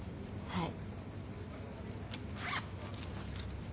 はい。